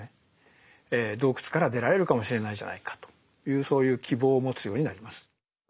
洞窟から出られるかもしれないじゃないかというそういう希望を持つようになります。